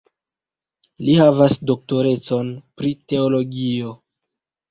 Li havas doktorecon pri teologio.